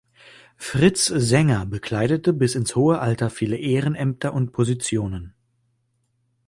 Fritz Sänger bekleidete bis ins hohe Alter viele Ehrenämter und Positionen.